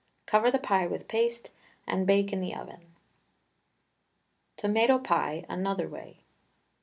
Cover the pie with paste, and bake in the oven. TOMATO PIE (ANOTHER WAY).